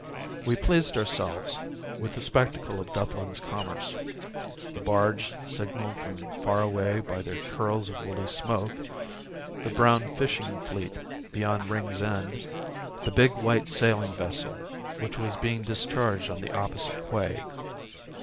We pleased ourselves with the spectacle of Dublin's commerce—the barges signalled from far away by their curls of woolly smoke, the brown fishing fleet beyond Ringsend, the big white sailing vessel which was being discharged on the opposite quay.